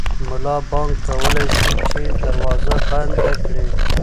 ملا بانګ کولی شي چې دروازه بنده کړي.